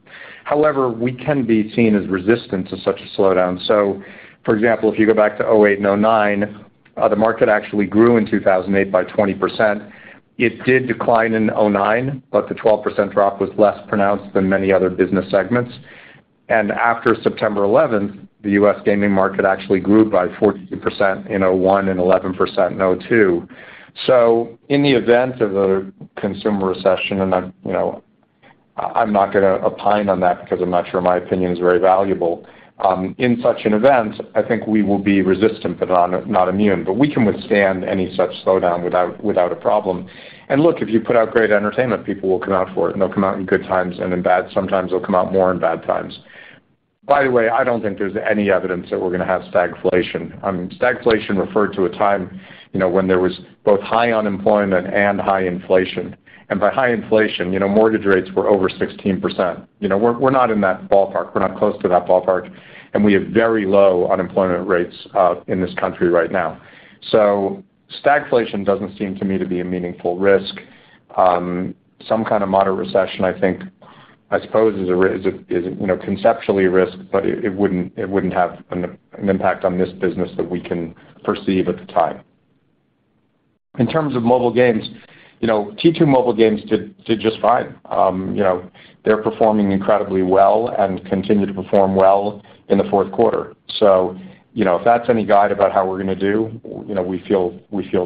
However, we can be seen as resistant to such a slowdown. For example, if you go back to 2008 and 2009, the market actually grew in 2008 by 20%. It did decline in 2009, but the 12% drop was less pronounced than many other business segments. After 9/11, the U.S. gaming market actually grew by 14% in 2001 and 11% in 2002. In the event of a consumer recession, and I'm, you know, not gonna opine on that because I'm not sure my opinion is very valuable. In such an event, I think we will be resistant, but not immune. We can withstand any such slowdown without a problem. Look, if you put out great entertainment, people will come out for it, and they'll come out in good times and in bad. Sometimes they'll come out more in bad times. By the way, I don't think there's any evidence that we're gonna have stagflation. Stagflation referred to a time, you know, when there was both high unemployment and high inflation. By high inflation, you know, mortgage rates were over 16%. You know, we're not in that ballpark. We're not close to that ballpark, and we have very low unemployment rates in this country right now. Stagflation doesn't seem to me to be a meaningful risk. Some kind of moderate recession, I think, I suppose, is, you know, conceptually a risk, but it wouldn't have an impact on this business that we can perceive at the time. In terms of mobile games, you know, T2 Mobile Games did just fine. You know, they're performing incredibly well and continue to perform well in the fourth quarter. You know, if that's any guide about how we're gonna do, you know, we feel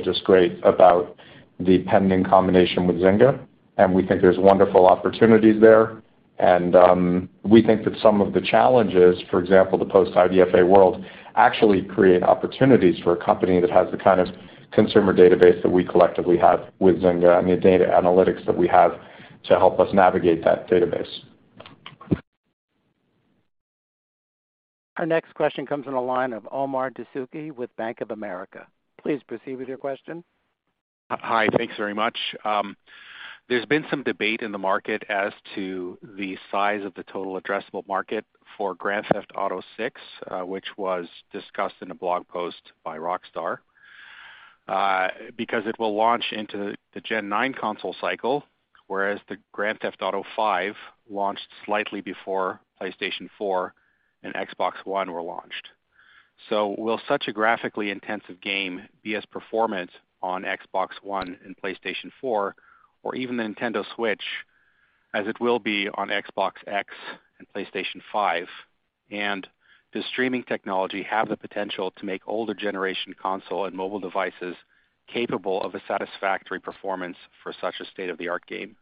just great about the pending combination with Zynga, and we think there's wonderful opportunities there. We think that some of the challenges, for example, the post-IDFA world, actually create opportunities for a company that has the kind of consumer database that we collectively have with Zynga and the data analytics that we have to help us navigate that database. Our next question comes from the line of Omar Dessouky with Bank of America. Please proceed with your question. Hi. Thanks very much. There's been some debate in the market as to the size of the total addressable market for Grand Theft Auto VI, which was discussed in a blog post by Rockstar, because it will launch into the Gen 9 console cycle, whereas the Grand Theft Auto V launched slightly before PlayStation 4 and Xbox One were launched. Will such a graphically intensive game be as performant on Xbox One and PlayStation 4 or even the Nintendo Switch as it will be on Xbox Series X and PlayStation 5? Does streaming technology have the potential to make older generation console and mobile devices capable of a satisfactory performance for such a state-of-the-art game?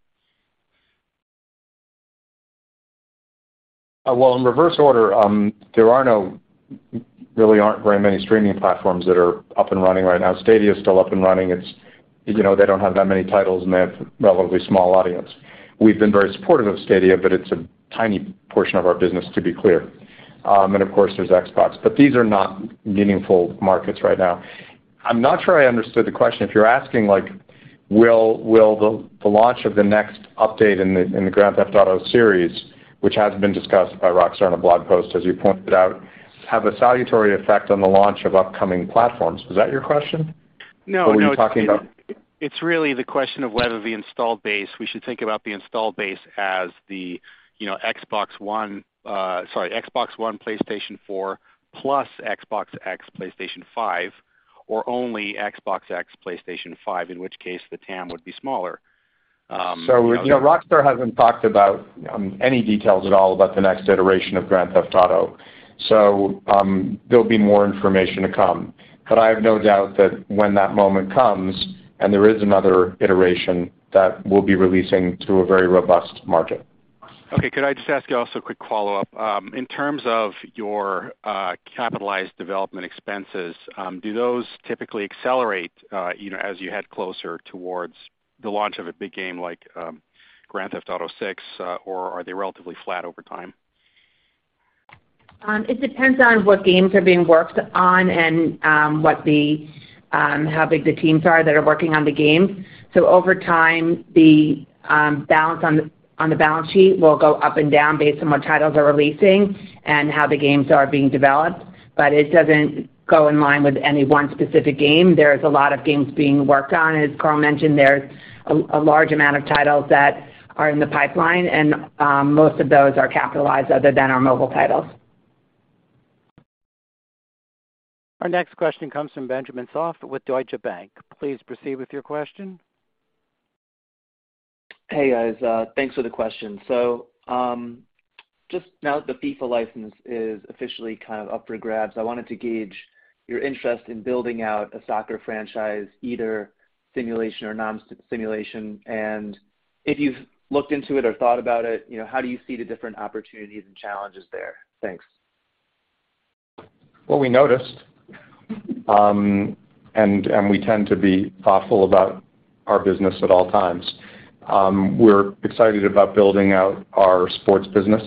Well, in reverse order, there really aren't very many streaming platforms that are up and running right now. Stadia is still up and running. It's, you know, they don't have that many titles, and they have a relatively small audience. We've been very supportive of Stadia, but it's a tiny portion of our business, to be clear. Of course, there's Xbox. These are not meaningful markets right now. I'm not sure I understood the question. If you're asking, like, will the launch of the next update in the Grand Theft Auto series, which has been discussed by Rockstar in a blog post, as you pointed out, have a salutary effect on the launch of upcoming platforms? Was that your question? No, no. What were you talking about? It's really the question of whether we should think about the installed base as the, you know, Xbox One, PlayStation 4, plus Xbox Series X, PlayStation 5, or only Xbox Series X, PlayStation 5, in which case the TAM would be smaller. You know, Rockstar hasn't talked about any details at all about the next iteration of Grand Theft Auto. There'll be more information to come. I have no doubt that when that moment comes and there is another iteration, that we'll be releasing to a very robust market. Could I just ask you also a quick follow-up? In terms of your capitalized development expenses, do those typically accelerate, you know, as you head closer towards the launch of a big game like Grand Theft Auto VI, or are they relatively flat over time? It depends on what games are being worked on and how big the teams are that are working on the games. Over time, the balance on the balance sheet will go up and down based on what titles are releasing and how the games are being worked on. It doesn't go in line with any one specific game. There's a lot of games being worked on. As Karl mentioned, there's a large amount of titles that are in the pipeline, and most of those are capitalized other than our mobile titles. Our next question comes from Benjamin Soff with Deutsche Bank. Please proceed with your question. Hey, guys. Thanks for the question. Just now the FIFA license is officially kind of up for grabs. I wanted to gauge your interest in building out a soccer franchise, either simulation or non-simulation. If you've looked into it or thought about it, you know, how do you see the different opportunities and challenges there? Thanks. Well, we tend to be thoughtful about our business at all times. We're excited about building out our sports business.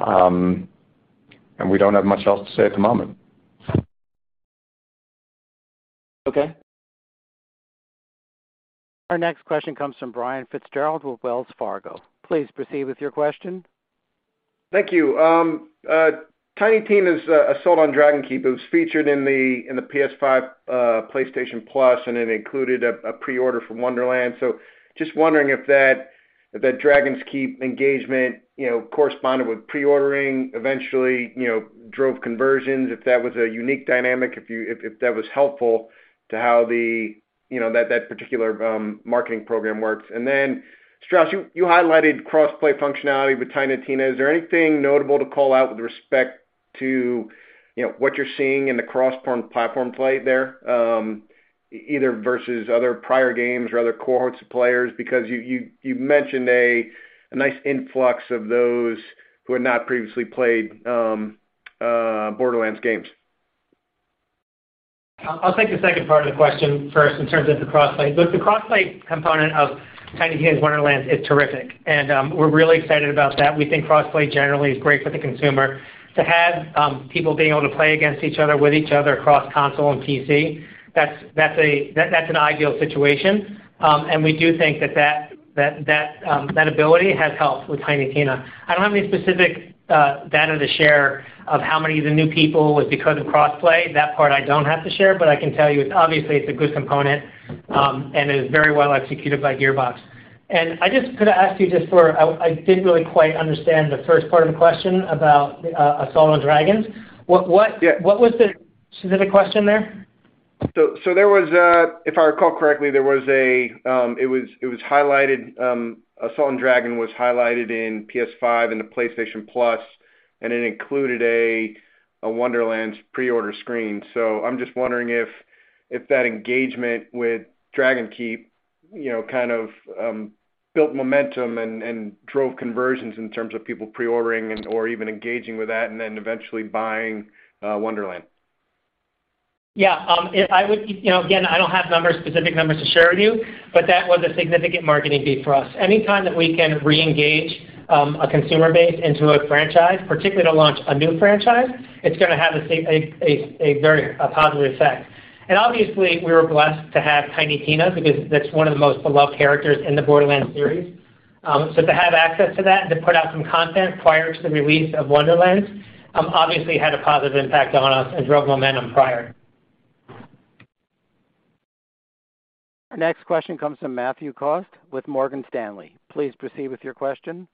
We don't have much else to say at the moment. Okay. Our next question comes from Brian Fitzgerald with Wells Fargo. Please proceed with your question. Thank you. Tiny Tina's Assault on Dragon Keep, it was featured in the PS5 PlayStation Plus, and it included a pre-order from Wonderlands. Just wondering if that Dragon Keep engagement, you know, corresponded with pre-ordering eventually, you know, drove conversions, if that was a unique dynamic, if that was helpful to how the, you know, that particular marketing program works. Then, Strauss, you highlighted cross-play functionality with Tiny Tina. Is there anything notable to call out with respect to, you know, what you're seeing in the cross-platform play there, either versus other prior games or other cohorts of players? Because you mentioned a nice influx of those who had not previously played Borderlands games. I'll take the second part of the question first in terms of the cross-play. Look, the cross-play component of Tiny Tina's Wonderlands is terrific, and we're really excited about that. We think cross-play generally is great for the consumer. To have people being able to play against each other, with each other across console and PC, that's an ideal situation. We do think that ability has helped with Tiny Tina. I don't have any specific data to share of how many of the new people was because of cross-play. That part I don't have to share, but I can tell you it's obviously a good component, and it is very well executed by Gearbox. I just could I ask you just for...I didn't really quite understand the first part of the question about Assault on Dragon Keep. Yeah. What was the specific question there? If I recall correctly, it was highlighted. Assault on Dragon Keep was highlighted in PS5 in the PlayStation Plus, and it included a Wonderlands pre-order screen. I'm just wondering if that engagement with Dragon Keep, you know, kind of built momentum and drove conversions in terms of people pre-ordering and/or even engaging with that and then eventually buying Wonderland. Yeah. You know, again, I don't have numbers, specific numbers to share with you, but that was a significant marketing fee for us. Anytime that we can reengage a consumer base into a franchise, particularly to launch a new franchise, it's gonna have the same, a very positive effect. Obviously, we were blessed to have Tiny Tina because that's one of the most beloved characters in the Borderlands series. So to have access to that, to put out some content prior to the release of Wonderlands, obviously had a positive impact on us and drove momentum prior. Our next question comes from Matthew Cost with Morgan Stanley. Please proceed with your question.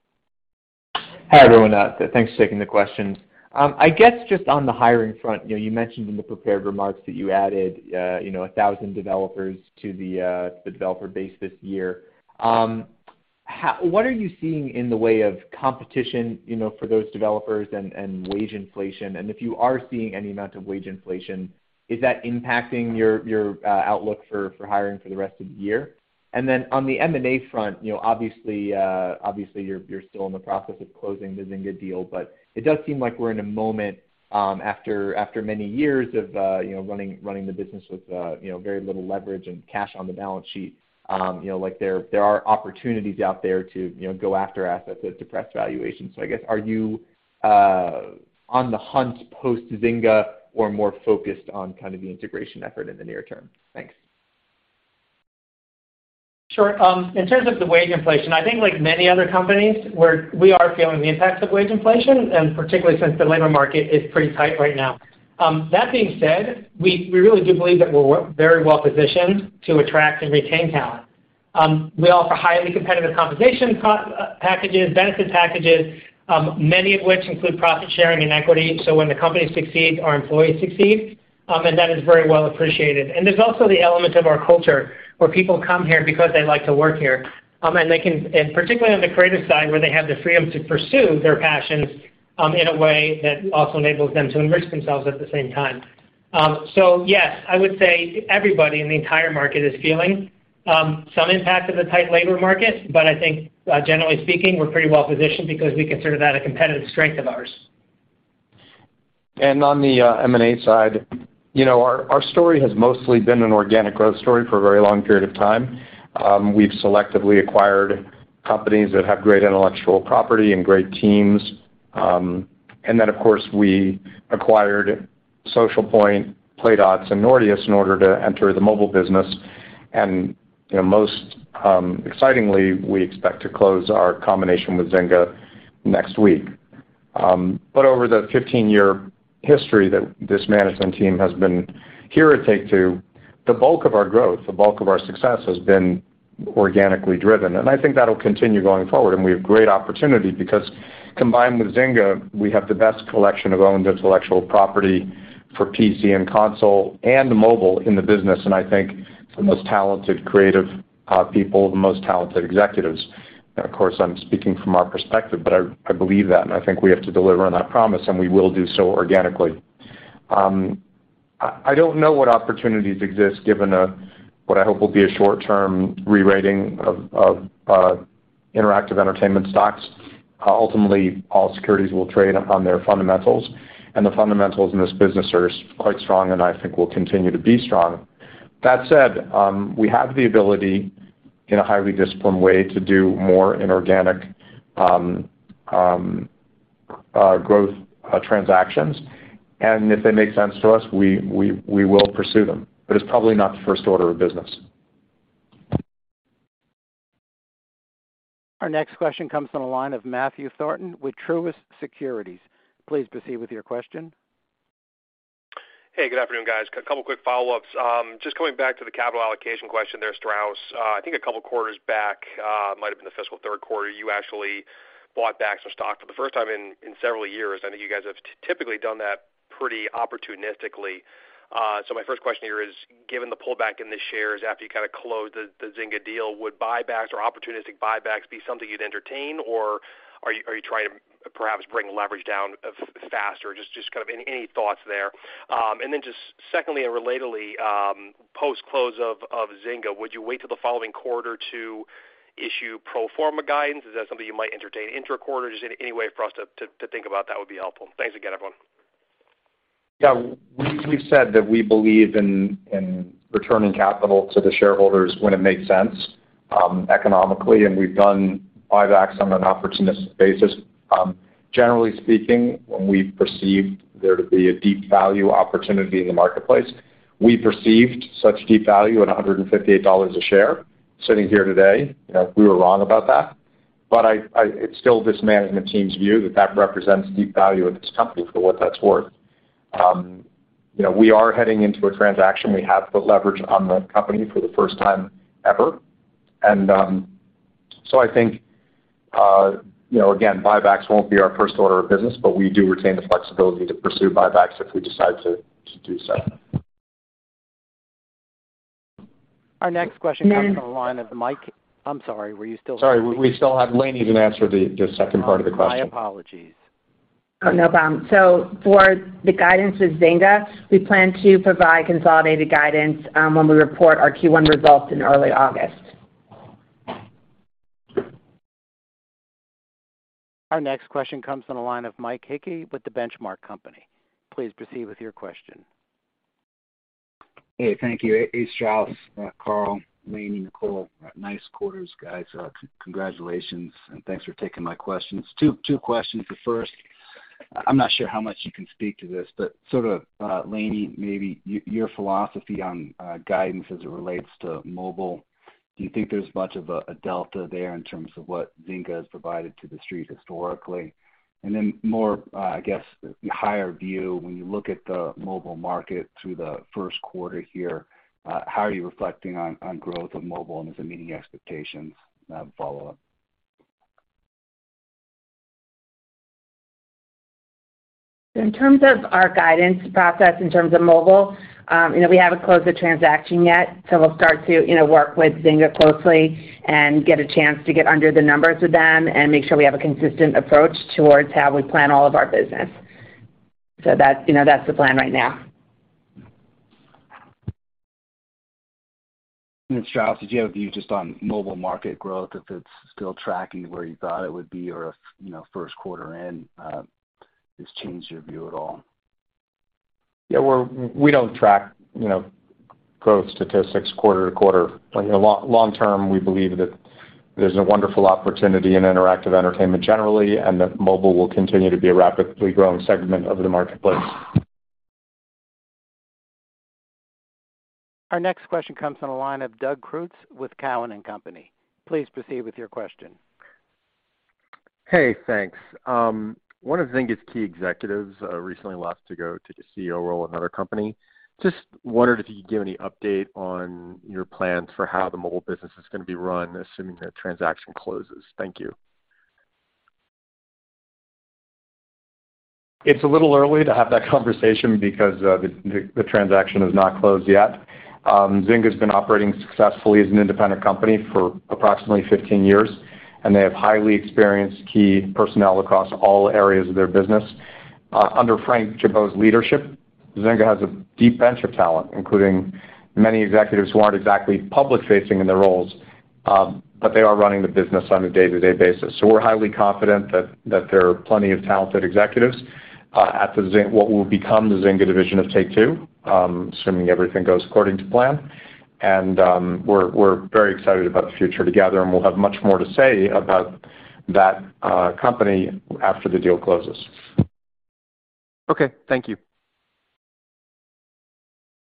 Hi, everyone. Thanks for taking the question. I guess just on the hiring front, you know, you mentioned in the prepared remarks that you added, you know, 1,000 developers to the developer base this year. What are you seeing in the way of competition, you know, for those developers and wage inflation? And if you are seeing any amount of wage inflation, is that impacting your outlook for hiring for the rest of the year? Then on the M&A front, you know, obviously you're still in the process of closing the Zynga deal, but it does seem like we're in a moment after many years of, you know, running the business with, you know, very little leverage and cash on the balance sheet. You know, like, there are opportunities out there to, you know, go after assets at depressed valuations. I guess, are you on the hunt post-Zynga or more focused on kind of the integration effort in the near term? Thanks. Sure. In terms of the wage inflation, I think like many other companies, we are feeling the impacts of wage inflation, and particularly since the labor market is pretty tight right now. That being said, we really do believe that we're very well positioned to attract and retain talent. We offer highly competitive compensation packages, benefit packages, many of which include profit sharing and equity. When the company succeeds, our employees succeed. That is very well appreciated. There's also the element of our culture, where people come here because they like to work here and particularly on the creative side, where they have the freedom to pursue their passions, in a way that also enables them to enrich themselves at the same time. Yes, I would say everybody in the entire market is feeling some impact of the tight labor market. I think, generally speaking, we're pretty well positioned because we consider that a competitive strength of ours. On the M&A side, you know, our story has mostly been an organic growth story for a very long period of time. We've selectively acquired companies that have great intellectual property and great teams. Then of course, we acquired Socialpoint, PlayDots, and Nordeus in order to enter the mobile business. You know, most excitingly, we expect to close our combination with Zynga next week. But over the 15-year history that this management team has been here at Take-Two, the bulk of our growth, the bulk of our success has been organically driven, and I think that'll continue going forward. We have great opportunity because combined with Zynga, we have the best collection of owned intellectual property for PC and console and mobile in the business, and I think the most talented creative people, the most talented executives. Of course, I'm speaking from our perspective, but I believe that, and I think we have to deliver on that promise, and we will do so organically. I don't know what opportunities exist given what I hope will be a short-term rerating of interactive entertainment stocks. Ultimately, all securities will trade upon their fundamentals, and the fundamentals in this business are quite strong, and I think will continue to be strong. That said, we have the ability in a highly disciplined way to do more inorganic growth transactions. If they make sense to us, we will pursue them. It's probably not the first order of business. Our next question comes from the line of Matthew Thornton with Truist Securities. Please proceed with your question. Hey, good afternoon, guys. A couple quick follow-ups. Just coming back to the capital allocation question there, Strauss. I think a couple quarters back, might have been the fiscal third quarter, you actually bought back some stock for the first time in several years. I know you guys have typically done that pretty opportunistically. So my first question here is, given the pullback in the shares after you kind of closed the Zynga deal, would buybacks or opportunistic buybacks be something you'd entertain, or are you trying to perhaps bring leverage down faster? Just kind of any thoughts there. And then just secondly and relatedly, post-close of Zynga, would you wait till the following quarter to issue pro forma guidance? Is that something you might entertain inter-quarter? Just any way for us to think about that would be helpful. Thanks again, everyone. Yeah. We've said that we believe in returning capital to the shareholders when it makes sense economically, and we've done buybacks on an opportunist basis. Generally speaking, when we've perceived there to be a deep value opportunity in the marketplace. We perceived such deep value at $158 a share sitting here today. You know, we were wrong about that. But it's still this management team's view that that represents deep value in this company for what that's worth. You know, we are heading into a transaction. We have put leverage on the company for the first time ever. I think, you know, again, buybacks won't be our first order of business, but we do retain the flexibility to pursue buybacks if we decide to do so. Our next question comes from the line of Mike. I'm sorry, were you still? Sorry. We still have Lainie to answer the second part of the question. My apologies. Oh, no problem. For the guidance with Zynga, we plan to provide consolidated guidance when we report our Q1 results in early August. Our next question comes from the line of Mike Hickey with The Benchmark Company. Please proceed with your question. Hey, thank you. Hey, Strauss, Karl, Lainie, Nicole. Nice quarters, guys. Congratulations, and thanks for taking my questions. Two questions. The first, I'm not sure how much you can speak to this, but sort of, Lainie, maybe your philosophy on guidance as it relates to mobile. Do you think there's much of a delta there in terms of what Zynga has provided to the street historically? Then more, I guess the higher view, when you look at the mobile market through the first quarter here, how are you reflecting on growth of mobile and is it meeting expectations? I have a follow-up. In terms of our guidance process, in terms of mobile, you know, we haven't closed the transaction yet, so we'll start to, you know, work with Zynga closely and get a chance to get under the numbers with them and make sure we have a consistent approach towards how we plan all of our business. That's, you know, that's the plan right now. Strauss, did you have a view just on mobile market growth, if it's still tracking where you thought it would be or if, you know, first quarter in, has changed your view at all? Yeah. We don't track, you know, growth statistics quarter to quarter. You know, long, long term, we believe that there's a wonderful opportunity in interactive entertainment generally, and that mobile will continue to be a rapidly growing segment of the marketplace. Our next question comes from the line of Doug Creutz with Cowen and Company. Please proceed with your question. Hey, thanks. One of Zynga's key executives recently left to go take a CEO role at another company. Just wondered if you could give any update on your plans for how the mobile business is gonna be run, assuming the transaction closes. Thank you. It's a little early to have that conversation because the transaction has not closed yet. Zynga's been operating successfully as an independent company for approximately 15 years, and they have highly experienced key personnel across all areas of their business. Under Frank Gibeau's leadership, Zynga has a deep bench of talent, including many executives who aren't exactly public-facing in their roles, but they are running the business on a day-to-day basis. We're highly confident that there are plenty of talented executives at what will become the Zynga division of Take-Two, assuming everything goes according to plan. We're very excited about the future together, and we'll have much more to say about that company after the deal closes. Okay. Thank you.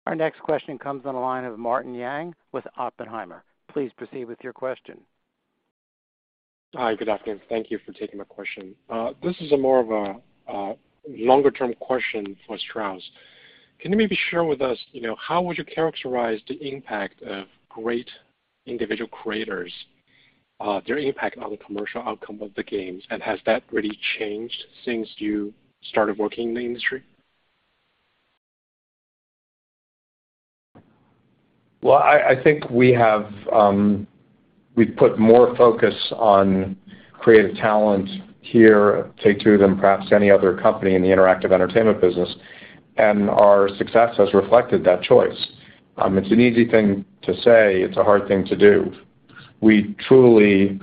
Our next question comes on the line of Martin Yang with Oppenheimer. Please proceed with your question. Hi, good afternoon. Thank you for taking my question. This is more of a longer-term question for Strauss. Can you maybe share with us, you know, how would you characterize the impact of great individual creators, their impact on the commercial outcome of the games? Has that really changed since you started working in the industry? Well, I think we've put more focus on creative talent here at Take-Two than perhaps any other company in the interactive entertainment business, and our success has reflected that choice. It's an easy thing to say. It's a hard thing to do. We truly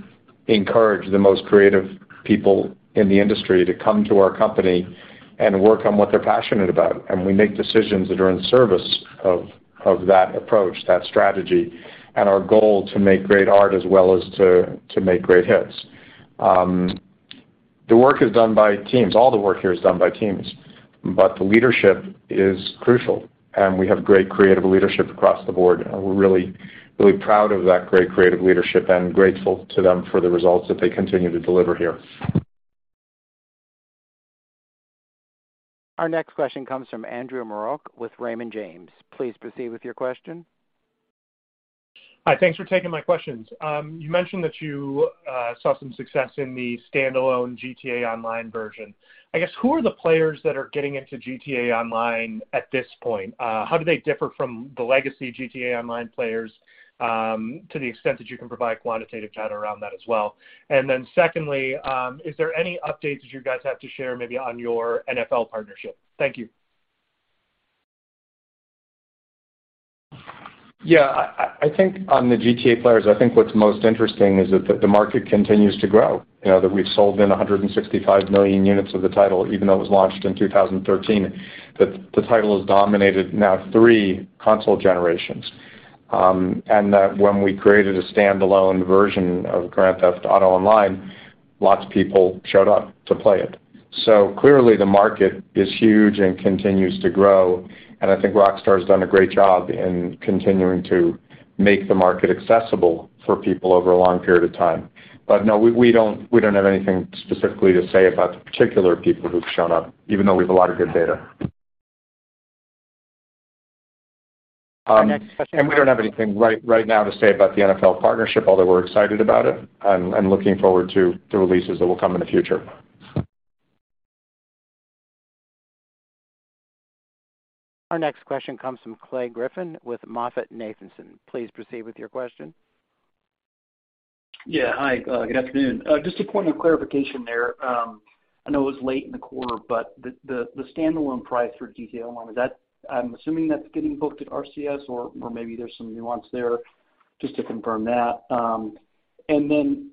encourage the most creative people in the industry to come to our company and work on what they're passionate about, and we make decisions that are in service of that approach, that strategy, and our goal to make great art as well as to make great hits. The work is done by teams. All the work here is done by teams. But the leadership is crucial, and we have great creative leadership across the board, and we're really, really proud of that great creative leadership and grateful to them for the results that they continue to deliver here. Our next question comes from Andrew Marok with Raymond James. Please proceed with your question. Hi. Thanks for taking my questions. You mentioned that you saw some success in the standalone GTA Online version. I guess, who are the players that are getting into GTA Online at this point? How do they differ from the legacy GTA Online players, to the extent that you can provide quantitative data around that as well. Secondly, is there any updates that you guys have to share maybe on your NFL partnership? Thank you. Yeah. I think on the GTA players, I think what's most interesting is that the market continues to grow, you know, that we've sold than 165 million units of the title even though it was launched in 2013. The title has dominated now three console generations. That when we created a standalone version of Grand Theft Auto Online, lots of people showed up to play it. Clearly the market is huge and continues to grow, and I think Rockstar has done a great job in continuing to make the market accessible for people over a long period of time. No, we don't have anything specifically to say about the particular people who've shown up, even though we have a lot of good data. Our next question. We don't have anything right now to say about the NFL partnership, although we're excited about it and looking forward to the releases that will come in the future. Our next question comes from Clay Griffin with MoffettNathanson. Please proceed with your question. Yeah. Hi, good afternoon. Just a point of clarification there. I know it was late in the quarter, but the standalone price for GTA Online, is that I'm assuming that's getting booked at RCS or maybe there's some nuance there. Just to confirm that. And then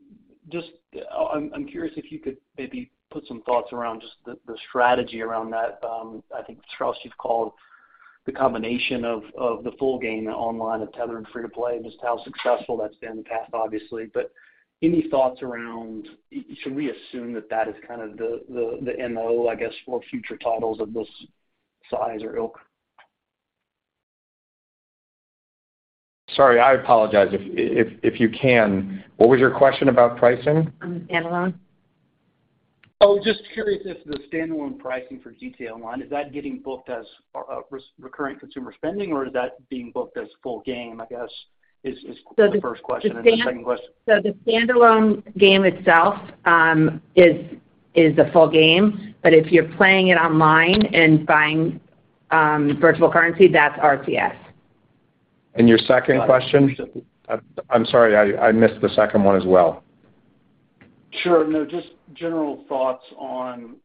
just I'm curious if you could maybe put some thoughts around just the strategy around that. I think, Strauss, you've called the combination of the full game online together and free to play, just how successful that's been in the past, obviously. Any thoughts around should we assume that is kind of the MO, I guess, for future titles of this size or ilk? Sorry, I apologize. If you can, what was your question about pricing? On the standalone. Oh, just curious if the standalone pricing for GTA Online is that getting booked as recurring consumer spending or is that being booked as full game, I guess, is the first question. The second question- The standalone game itself is a full game, but if you're playing it online and buying virtual currency, that's RCS. Your second question? I'm sorry, I missed the second one as well. Sure. No, just general thoughts on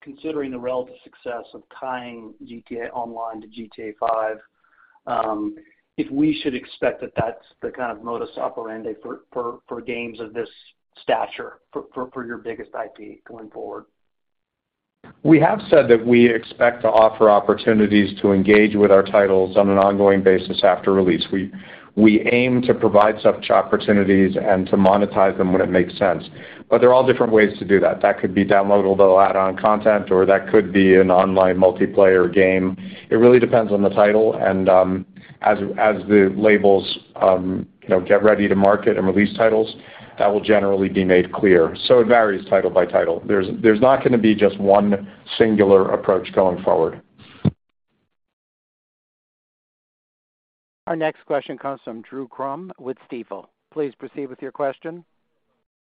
considering the relative success of tying GTA Online to GTA five, if we should expect that that's the kind of modus operandi for games of this stature for your biggest IP going forward. We have said that we expect to offer opportunities to engage with our titles on an ongoing basis after release. We aim to provide such opportunities and to monetize them when it makes sense. There are different ways to do that. That could be downloadable add-on content or that could be an online multiplayer game. It really depends on the title and as the labels get ready to market and release titles, that will generally be made clear. It varies title by title. There's not gonna be just one singular approach going forward. Our next question comes from Drew Crum with Stifel. Please proceed with your question.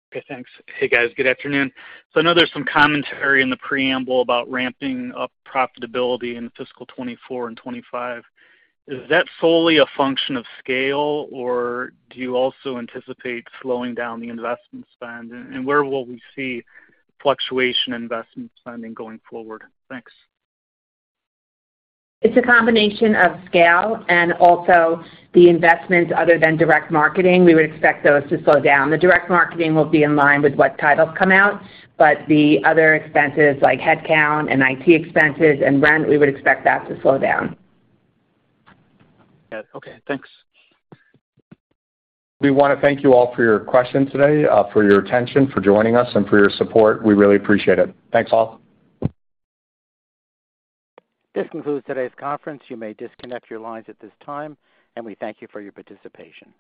Okay, thanks. Hey, guys. Good afternoon. I know there's some commentary in the preamble about ramping up profitability in fiscal 2024 and 2025. Is that solely a function of scale, or do you also anticipate slowing down the investment spend? Where will we see fluctuations in investment spending going forward? Thanks. It's a combination of scale and also the investment other than direct marketing, we would expect those to slow down. The direct marketing will be in line with what titles come out, but the other expenses like headcount and IT expenses and rent, we would expect that to slow down. Yeah. Okay, thanks. We wanna thank you all for your questions today, for your attention, for joining us and for your support. We really appreciate it. Thanks, all. This concludes today's conference. You may disconnect your lines at this time, and we thank you for your participation.